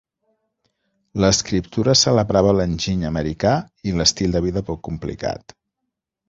L'escriptura celebrava l'enginy americà i l'estil de vida poc complicat.